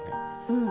うん。